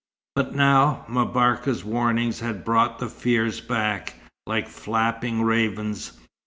But now, M'Barka's warnings had brought the fears back, like flapping ravens.